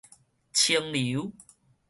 清流